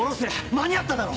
間に合っただろ！